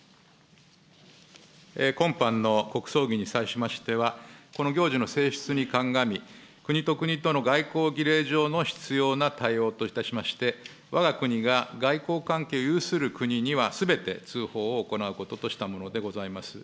今般の国葬儀に際しましては、この行事の性質に鑑み、国と国との外交儀礼上の必要な対応といたしまして、わが国が外交関係を有する国にはすべて通報を行うものとしたものでございます。